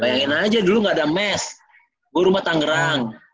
bayangin aja dulu nggak ada mes gue rumah tangerang